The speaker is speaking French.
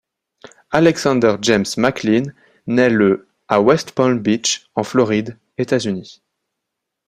Alexander James McLean naît le à West Palm Beach en Floride, États-Unis.